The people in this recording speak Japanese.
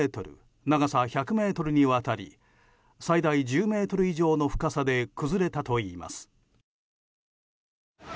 長さ１００ｍにわたり最大１０ｍ以上の深さで崩れたといいます。